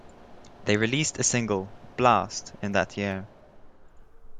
They released a single, "Blast", in that year.